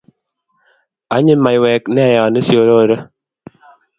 Anyiny maiyek nea yan ishorore